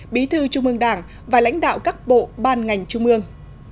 bí thư trung mương đảng và lãnh đạo các bộ ban ngành trung mương